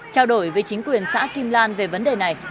trao đổi với chính quyền xã kim lan về vấn đề này